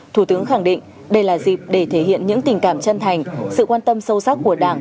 thủ tướng khẳng định đây là dịp để thể hiện những tình cảm chân thành sự quan tâm sâu sắc của đảng